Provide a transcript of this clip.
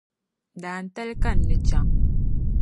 Dantali ka n ni chaŋ.